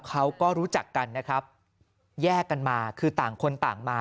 เขาก็รู้จักกันนะครับแยกกันมาคือต่างคนต่างมา